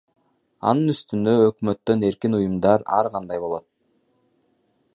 Анын үстүнө өкмөттөн эркин уюмдар ар кандай болот.